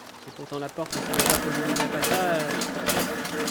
Et pourtant la porte ne s’ouvrait pas pour lui livrer passage!...